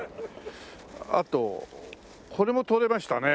あとこれもとれましたね。